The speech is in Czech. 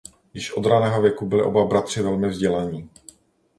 Již od raného věku byli oba bratři velmi vzdělaní.